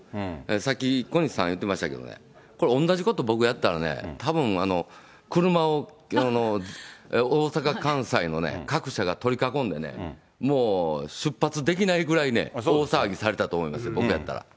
さっき小西さん言ってましたけどね、これ、おんなじこと僕がやったらね、たぶん、車を、大阪・関西の各社が取り囲んでね、もう、出発できないくらいね、大騒ぎされたと思いますよ、僕やったら。